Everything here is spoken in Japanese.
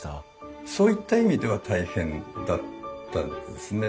そういった意味では大変だったですね。